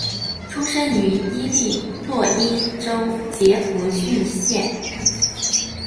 出生于伊利诺伊州杰佛逊县。